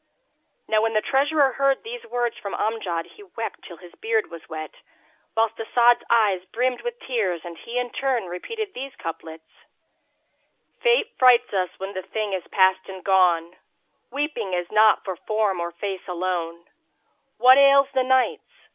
Now when the treasurer heard these words from Amjad, he wept till his beard was wet, whilst As'ad's eyes brimmed with tears and he in turn repeated these couplets, "Fate frights us when the thing is past and gone; * Weeping is not for form or face alone[FN#366]: What ails the Nights?